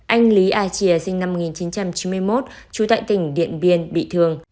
anh lý a chìa sinh năm một nghìn chín trăm chín mươi một trú tại tỉnh điện biên bị thương